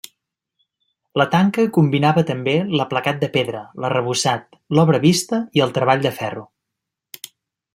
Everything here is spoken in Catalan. La tanca combinava també l'aplacat de pedra, l'arrebossat, l'obra vista i el treball de ferro.